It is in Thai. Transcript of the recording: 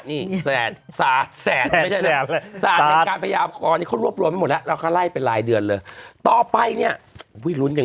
นี้แศตรสารกันไปหยาบกรอนคุณรวบรวมหมดแล้วเราก็ไล่ไปรายเดือนเลยต่อไปเนี้ยนี่อยู่ใน